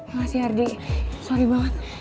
makasih ardi sorry banget